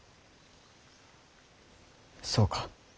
そうか。